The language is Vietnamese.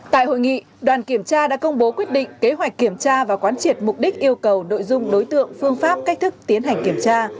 tại hội nghị đoàn kiểm tra đã công bố quyết định kế hoạch kiểm tra và quán triệt mục đích yêu cầu nội dung đối tượng phương pháp cách thức tiến hành kiểm tra